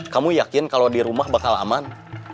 kamu yakin kalau di rumah bakal aman